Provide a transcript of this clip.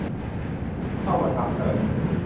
เข้ามาซ้ำเติม